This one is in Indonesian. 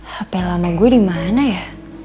hp lama gue dimana ya